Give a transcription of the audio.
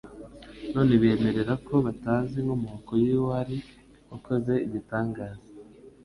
none biyemerera ko batazi inkomoko y'uwari ukoze igitangaza,